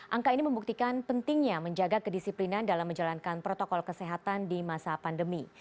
angka ini membuktikan pentingnya menjaga kedisiplinan dalam menjalankan protokol kesehatan di masa pandemi